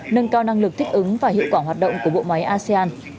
nâng cao năng lực thích ứng và hiệu quả hoạt động của bộ máy asean